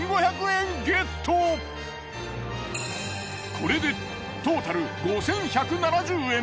これでトータル５，１７０円。